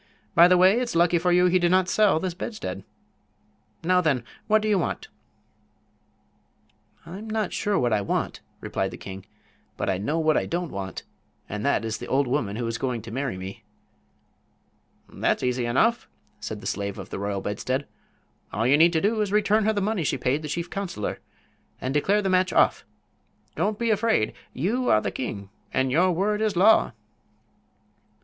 By the way, it's lucky for you he did not sell this bedstead. Now, then, what do you want?" "I'm not sure what I want," replied the king; "but I know what I don't want, and that is the old woman who is going to marry me." "That's easy enough," said the Slave of the Royal Bedstead. "All you need do is to return her the money she paid the chief counselor and declare the match off. Don't be afraid. You are the king, and your word is law."